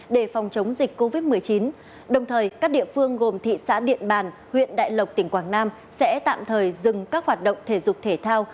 để phòng chống dịch covid một mươi chín đồng thời các địa phương gồm thị xã điện bàn huyện đại lộc tỉnh quảng nam sẽ tạm thời dừng các hoạt động thể dục thể thao